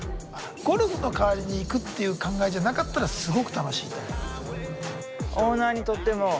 ゴルフの代わりに行くっていう考えじゃなかったらすごく楽しいと思う。